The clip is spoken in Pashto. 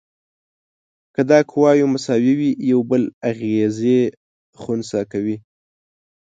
که دا قوې مساوي وي یو بل اغیزې خنثی کوي.